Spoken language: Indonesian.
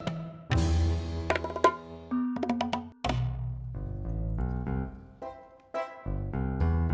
i say i because